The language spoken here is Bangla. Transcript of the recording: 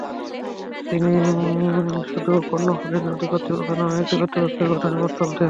তিনি শুধু কর্ণফুলী নদী কর্তৃপক্ষ নামে একটি কর্তৃপক্ষ গঠনের প্রস্তাব দেন।